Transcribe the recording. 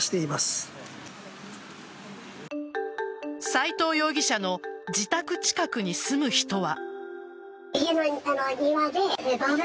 斎藤容疑者の自宅近くに住む人は。